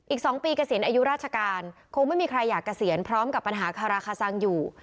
อีก๒ปีเกษียณอายุราชการคงไม่มีใครอยากเกษียณพร้อมกับปัญหาคาราคาซังอยู่